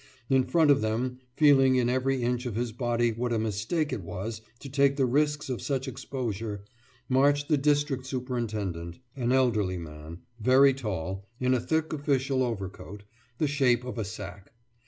In front of them, feeling in every inch of his body what a mistake it was to take the risks of such exposure, marched the district superintendent, an elderly man, very tall, in a thick official overcoat, the shape of a sack.